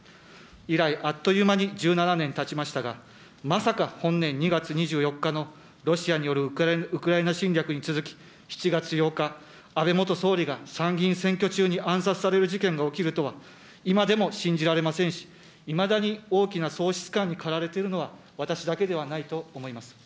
以来、あっという間に１７年たちましたが、まさか本年２月２４日のロシアによるウクライナ侵略に続き、７月８日、安倍元総理が参議院選挙中に暗殺される事件が起きるとは、今でも信じられませんし、いまだに大きな喪失感に駆られているのは私だけではないと思います。